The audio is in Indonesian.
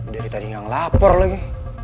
dari tadi nggak ngelapor lagi